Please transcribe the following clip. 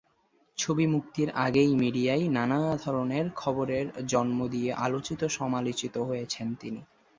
ছবি মুক্তির আগেই মিডিয়ায় নানা ধরনের খবরের জন্ম দিয়ে আলোচিত-সমালোচিত হয়েছেন তিনি।